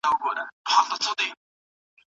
هانس وویل میشایلا الهام بخښونکی انسان دی.